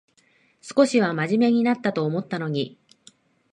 少しはまじめになったと思ったのに